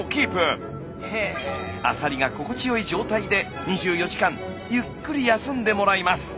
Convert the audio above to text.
アサリが心地よい状態で２４時間ゆっくり休んでもらいます。